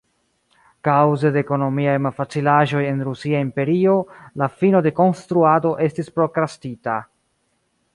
Kaŭze de ekonomiaj malfacilaĵoj en Rusia Imperio la fino de konstruado estis prokrastita.